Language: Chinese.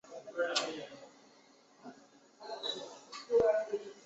布尔格豪森是德国巴伐利亚州的一个市镇。